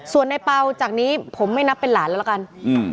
ส่วนในเปล่าจากนี้ผมไม่นับเป็นหลานแล้วละกันอืม